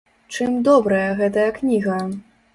Чым добрая гэтая кніга?